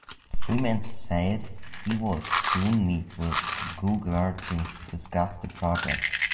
Freeman said he would soon meet with Coogler to discuss the project.